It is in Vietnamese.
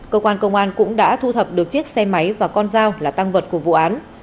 cơ quan công an cũng đã thu thập được chiếc xe máy và con dao là tăng vật của vụ án